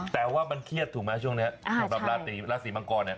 แต่ว่ามันเครียดถูกไหมช่วงนี้สำหรับราศีราศีมังกรเนี่ย